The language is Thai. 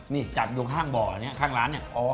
นี่จับอยู่ข้างบ่ออันนี้ข้างร้านเนี่ย